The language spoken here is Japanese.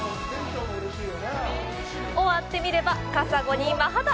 終わってみれば、カサゴにマハタ。